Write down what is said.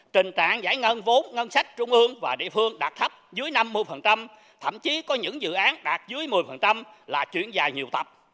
trình trạng giải ngân vốn ngân sách trung ương và địa phương đạt thấp dưới năm mươi thậm chí có những dự án đạt dưới một mươi là chuyển dài nhiều tập